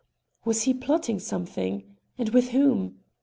Was he plotting something? And with whom?